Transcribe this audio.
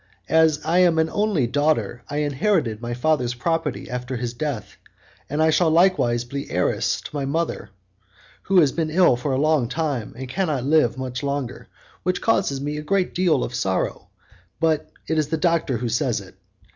As I am an only daughter I inherited my father's property after his death, and I shall likewise be heiress to my mother, who has been ill a long time and cannot live much longer, which causes me a great deal of sorrow; but it is the doctor who says it.